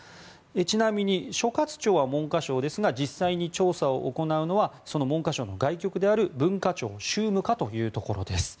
ちなみに、所轄庁は文科省ですが実際に調査を行うのはその文科省の外局である文化庁宗務課というところです。